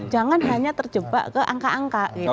jangan hanya terjebak ke angka angka gitu